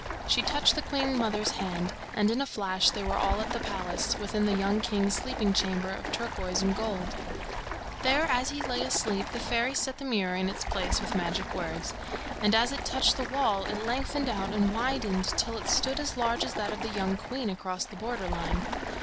She touched the Queen mother's hand, and in a flash they were all at the palace, within the young king's sleeping chamber of turquoise and gold. There as he lay asleep the fairies set the mirror in its place with magic words, and as it touched the wall it lengthened out and widened till it stood as large as that of the young queen across the border line.